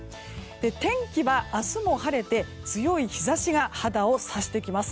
天気は、明日も晴れて強い日差しが肌を刺してきます。